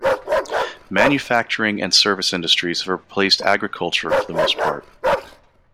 Manufacturing and service industries have replaced agriculture for the most part.